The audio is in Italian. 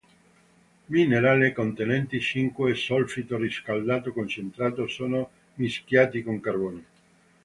Minerali contenenti zinco o solfito riscaldato concentrato sono mischiati con carbone.